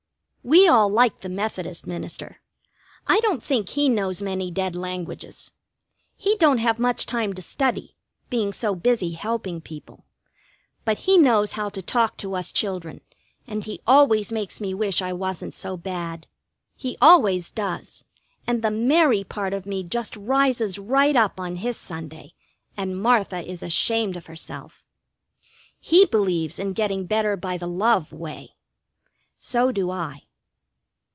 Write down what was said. We all like the Methodist minister. I don't think he knows many dead languages. He don't have much time to study, being so busy helping people; but he knows how to talk to us children, and he always makes me wish I wasn't so bad. He always does, and the Mary part of me just rises right up on his Sunday, and Martha is ashamed of herself. He believes in getting better by the love way. So do I.